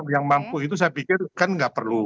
yang mampu itu saya pikir kan nggak perlu